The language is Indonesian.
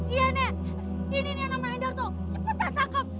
iya nenek ini nih yang namanya hendarto cepetan takap